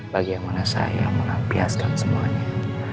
bagi yang mana saya yang mengabdiaskan semuanya